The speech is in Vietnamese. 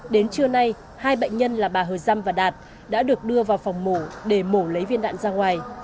đến trưa nay hai bệnh nhân là bà hờ dăm và đạt đã được đưa vào phòng mổ để mổ lấy viên đạn ra ngoài